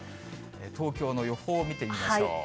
東京の予報を見てみましょう。